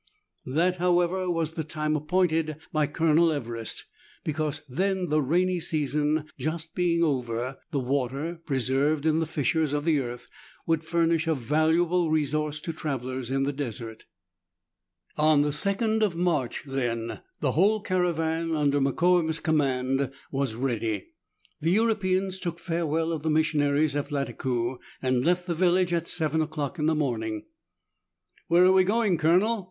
That, however, was the time appointed by Colonel Everest ; because then the rainy season just being over, the water, preserved in the fissures of the earth, would furnish a valuable resource to travellers in the desert. On the 2nd of March, then, the whole caravan, under Mokoum's command, was ready. The Europeans took farewell of the missionaries at Lattakoo, and left the village at seven o'clock in the morning. "Where are we going. Colonel